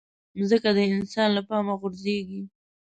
مځکه د انسان له پامه غورځيږي.